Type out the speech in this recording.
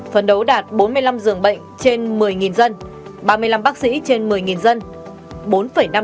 phần đấu đạt bốn mươi năm dường bệnh trên một mươi dân ba mươi năm bác sĩ trên một mươi dân bốn năm dược sĩ trên một mươi dân chín mươi điều dưỡng trên một mươi dân